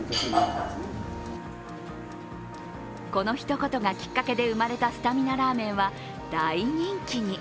この一言がきっかけで生まれたスタミナラーメンは大人気に。